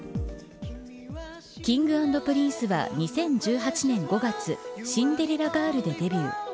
Ｋｉｎｇ＆Ｐｒｉｎｃｅは２０１８年５月シンデレラガールでデビュー。